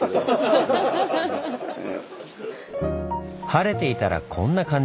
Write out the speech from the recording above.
晴れていたらこんな感じ。